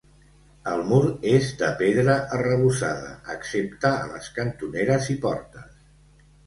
El mur és de pedra, arrebossada excepte a les cantoneres i portes.